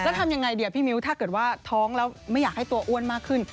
แล้วทำยังไงดีพี่มิ้วถ้าเกิดว่าท้องแล้วไม่อยากให้ตัวอ้วนมากขึ้น